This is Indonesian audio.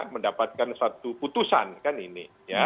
mendapatkan suatu putusan kan ini